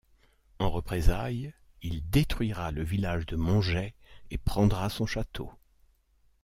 En représailles, il détruira le village de Montgey et prendra son château.